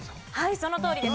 そのとおりです。